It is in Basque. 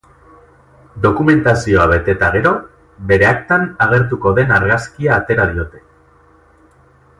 Dokumentazioa bete eta gero, bere aktan agertuko den argazkia atera diote.